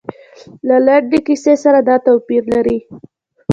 له لنډې کیسې سره دا توپیر لري.